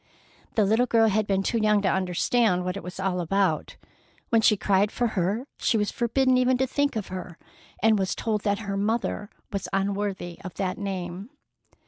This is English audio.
The little girl had been too young to understand what it was all about. When she cried for her she was forbidden even to think of her, and was told that her mother was unworthy of that name.